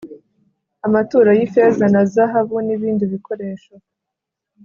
amaturo y ifeza na zahabu n ibindi bikoresho